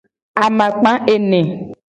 Amakpa ene.